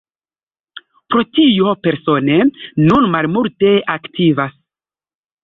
Pro tio Persone nun malmulte aktivas.